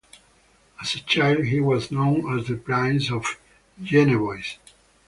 As a child he was known as the prince of Genevois.